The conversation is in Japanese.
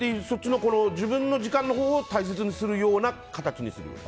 そっちの自分の時間を大切にする形にする。